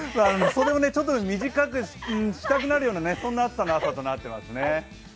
袖をちょっとでも短くしたくなるような暑さの朝となっていますね。